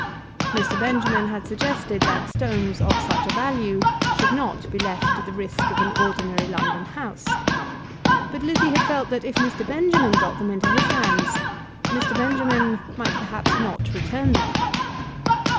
Mr. Benjamin had suggested that stones of such a value should not be left to the risk of an ordinary London house; but Lizzie had felt that if Mr. Benjamin got them into his hands, Mr. Benjamin might perhaps not return them.